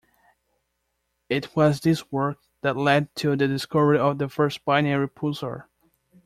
It was this work that led to the discovery of the first binary pulsar.